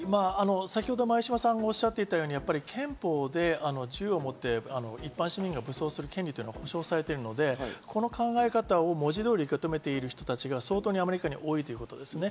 先ほど前嶋さんがおしゃっていたように、憲法で銃を持って一般市民が武装する権利が保障されているのでこの考え方を文字通り受け止めている人が相当、アメリカに多いということです。